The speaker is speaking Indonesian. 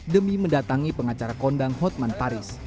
demi mendatangi pengacara kondang hotman paris